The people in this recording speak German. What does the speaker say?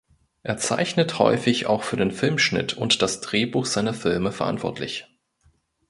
Er zeichnet häufig auch für den Filmschnitt und das Drehbuch seiner Filme verantwortlich.